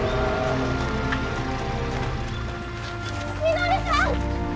稔さん！